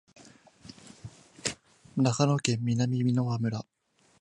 長野県南箕輪村